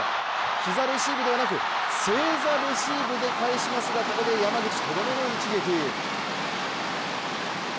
膝レシーブではなく、正座レシーブで返しますがここで山口、とどめの一撃！